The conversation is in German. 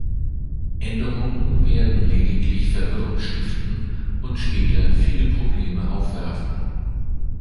Änderungen werden lediglich Verwirrung stiften und später viele Probleme aufwerfen.